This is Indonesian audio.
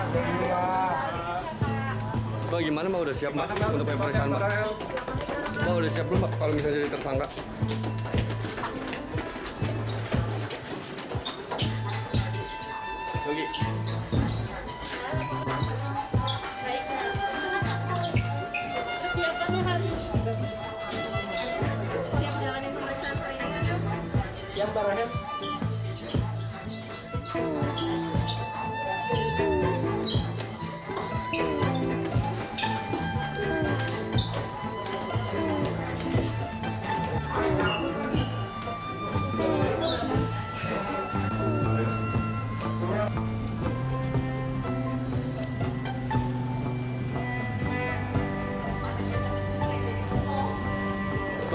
hai semua bagaimana mau udah siap maksudnya percaya mau udah siap kalau bisa jadi tersangka